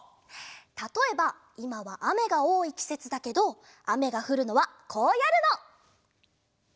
たとえばいまはあめがおおいきせつだけどあめがふるのはこうやるの。